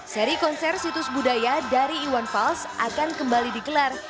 seri konser situs budaya dari iwan fals akan kembali digelar